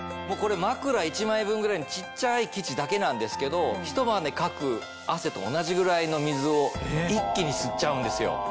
枕１枚分ぐらいの小っちゃい生地だけなんですけどひと晩でかく汗と同じぐらいの水を一気に吸っちゃうんですよ。